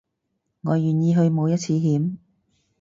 我願意去冒一次險